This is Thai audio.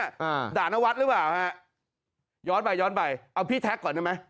ด่านวัดหรือเปล่าฮะย้อนไปย้อนไปเอาพี่แท็กก่อนได้ไหม